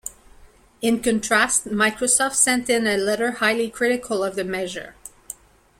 In contrast, Microsoft sent in a letter highly critical of the measure.